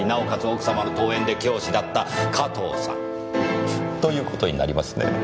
奥様の遠縁で教師だった加藤さん。という事になりますねぇ。